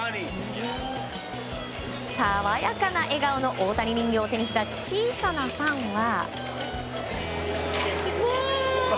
爽やかな笑顔の大谷人形を手にした小さなファンは。